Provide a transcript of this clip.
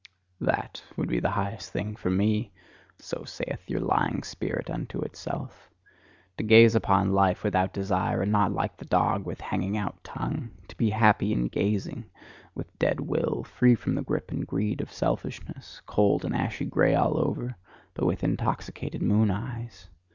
"That would be the highest thing for me" so saith your lying spirit unto itself "to gaze upon life without desire, and not like the dog, with hanging out tongue: To be happy in gazing: with dead will, free from the grip and greed of selfishness cold and ashy grey all over, but with intoxicated moon eyes!